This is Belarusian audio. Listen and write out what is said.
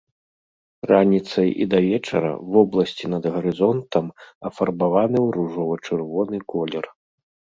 Раніцай і да вечара вобласці над гарызонтам афарбаваны ў ружова-чырвоны колер.